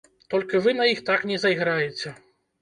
Толькі вы на іх так не зайграеце.